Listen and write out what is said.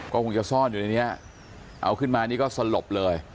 ก็คงจะซ่อนอยู่ในนี้เอาขึ้นมานี่ก็สลบเลย